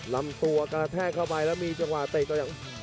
ลำตัวกระแทกเข้าไปแล้วมีจังหวะเตะตัวอย่าง